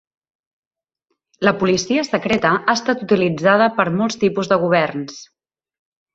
La policia secreta ha estat utilitzada per molts tipus de governs.